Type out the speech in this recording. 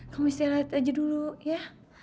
kamu istirahat aja dulu ya